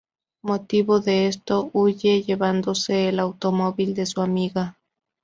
Motivo de esto, huye llevándose el automóvil de su amiga.